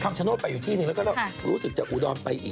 คำชโน่นไปอยู่ที่นี่แล้วก็เรารู้สึกจะอุดอลไปอีก